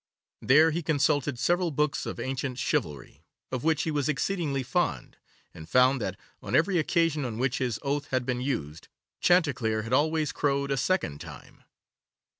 There he consulted several books of ancient chivalry, of which he was exceedingly fond, and found that, on every occasion on which his oath had been used, Chanticleer had always crowed a second time.